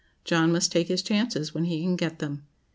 John must take his chances when he can get them.